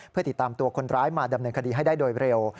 เพื่อติดตามตัวคนร้ายมาดำเนินคดีให้ได้โดยเร็ว